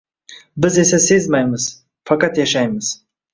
Biz esa sezmaymiz… Faqat yashaymiz